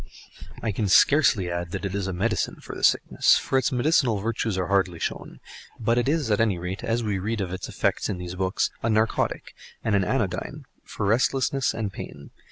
I can scarcely add that it is a medicine for the sickness, for its medicinal virtues are hardly shown; but it is, at any rate, as we read of its effects in these books, a narcotic and an anodyne for restlessness and pain.